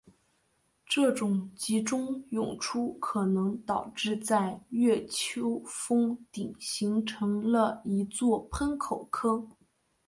这种集中涌出可能导致在月丘峰顶形成了一座喷口坑。